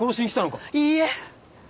いいえ。